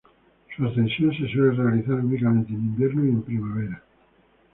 Su ascensión se suele realizar únicamente en invierno y primavera.